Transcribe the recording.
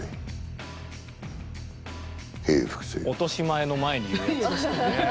落とし前の前に言うやつですね。